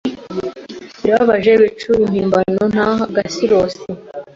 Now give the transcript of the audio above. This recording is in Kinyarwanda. birababaje, ibicucu, impimbano, nta gaciros